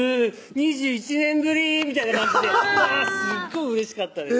２１年ぶり！みたいな感じですっごいうれしかったです